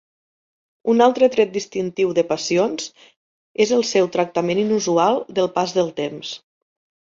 Un altre tret distintiu de "Passions" és el seu tractament inusual del pas del temps.